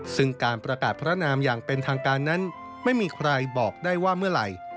ซึ่งการประกาศพระนามอย่างเป็นทางการนั้นไม่มีใครบอกได้ว่าเมื่อไหร่